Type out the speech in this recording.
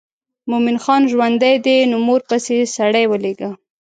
مومن خان ژوندی دی نو مور پسې سړی ولېږه.